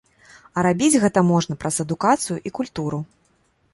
А рабіць гэта можна праз адукацыю і культуру.